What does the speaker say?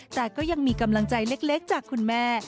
แต่ก็ยังมีกำลังใจเล็กจากคุณแม่